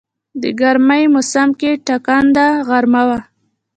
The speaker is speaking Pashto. د ګرمی موسم کې ټکنده غرمه وه.